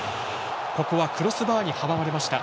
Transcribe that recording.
ここはクロスバーに阻まれました。